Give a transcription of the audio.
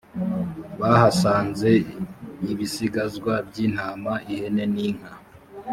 bahasanze ibisigazwa by’intama ihene n’inka